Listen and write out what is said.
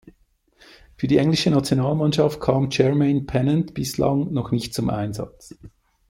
Für die englische Nationalmannschaft kam Jermaine Pennant bislang noch nicht zum Einsatz.